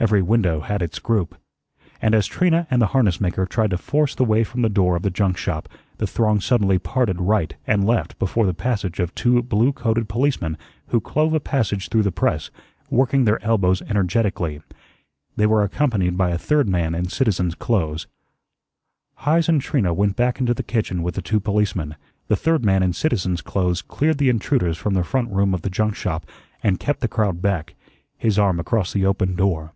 Every window had its group. And as Trina and the harness maker tried to force the way from the door of the junk shop the throng suddenly parted right and left before the passage of two blue coated policemen who clove a passage through the press, working their elbows energetically. They were accompanied by a third man in citizen's clothes. Heise and Trina went back into the kitchen with the two policemen, the third man in citizen's clothes cleared the intruders from the front room of the junk shop and kept the crowd back, his arm across the open door.